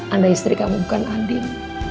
anda istri kamu bukan andin